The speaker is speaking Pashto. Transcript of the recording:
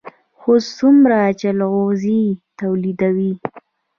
خوست څومره جلغوزي تولیدوي؟